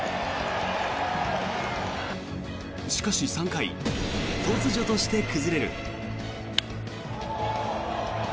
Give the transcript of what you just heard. しかし、３回突如として崩れる。